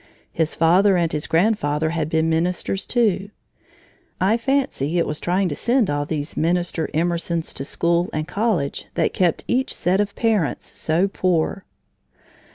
His father and his grandfather had been ministers, too. I fancy it was trying to send all these minister Emersons to school and college that kept each set of parents so poor.